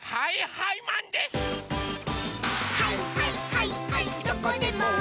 「はいはいはいはいマン」